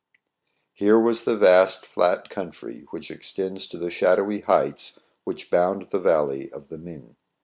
Here was the vast flat country which extends to the shadowy heights which bound the valley of the Min.